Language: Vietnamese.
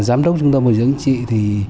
giám đốc trung tâm bổ dưỡng chính trị thì